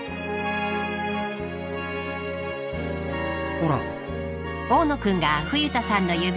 ほら。